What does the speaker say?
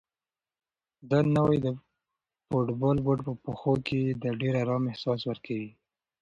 دا نوی د فوټبال بوټ په پښو کې د ډېر ارام احساس ورکوي.